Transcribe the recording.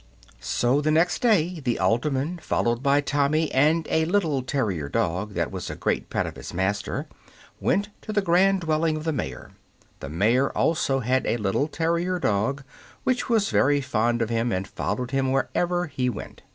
So the next day the alderman, followed by Tommy and a little terrier dog that was a great pet of his master, went to the grand dwelling of the mayor. The mayor also had a little terrier dog, which was very fond of him and followed him wherever he went.